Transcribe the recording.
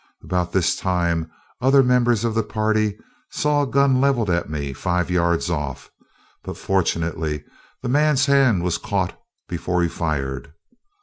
About this time other members of the party saw a gun levelled at me five yards off, but fortunately the man's hand was caught before he fired.